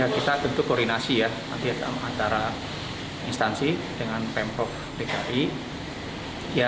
kita tentu koordinasi antara instansi dengan pemprov dki